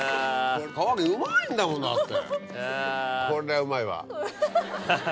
カワハギうまいんだもんだって。